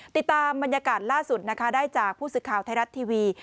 ติดตามบรรยากาศล่าสุดนะคะได้จากผู้สื่อข่าวไทยรัฐทีวี